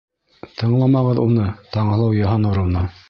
Тыңламағыҙ уны, Таңһылыу Йыһаннуровна.